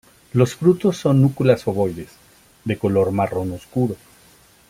Los frutos son núculas ovoides, de color marrón oscuro.